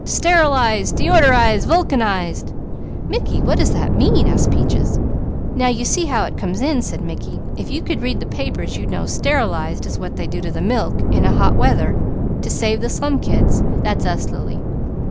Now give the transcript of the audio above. Sterilized! Deodorized! Vulcanized!'" "Mickey what does that mean?" asked Peaches. "Now you see how it comes in!" said Mickey. "If you could read the papers, you'd know. 'Sterilized,' is what they do to the milk in hot weather to save the slum kids. That's us, Lily.